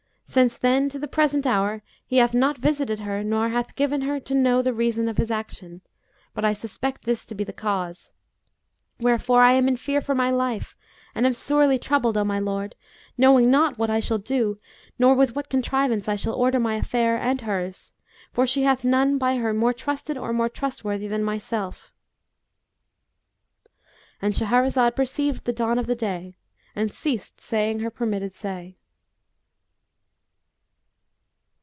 Since then to the present hour he hath not visited her nor hath given her to know the reason of his action, but I suspect this to be the cause; wherefore I am in fear for my life and am sore troubled, O my lord, knowing not what I shall do, nor with what contrivance I shall order my affair and hers; for she hath none by her more trusted or more trustworthy than myself.'"—And Shahrazad perceived the dawn of day and ceased saying her permitted say.